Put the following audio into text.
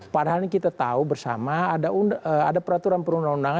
padahal ini kita tahu bersama ada peraturan perundang undangan